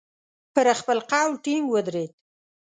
پر خپل قول ټینګ ودرېد.